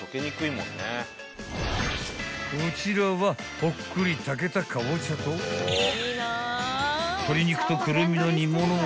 ［こちらはほっくり炊けたカボチャと鶏肉とくるみの煮物を］